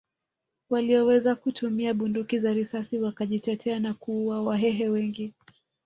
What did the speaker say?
Walioweza kutumia bunduki za risasi wakajitetea na kuua Wahehe wengi